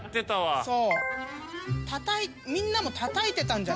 そう！